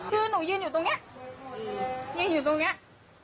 คือหนูยืนอยู่ตรงนี้ยืนอยู่ตรงนี้